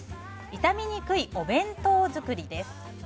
傷みにくいお弁当づくりです。